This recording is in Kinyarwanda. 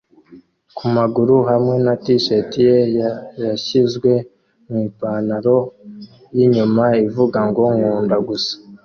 ku maguru hamwe na t-shirt ye yashyizwe mu ipantaro yinyuma ivuga ngo "Nkunda gusa"